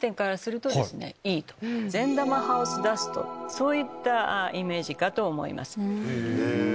そういったイメージかと思います。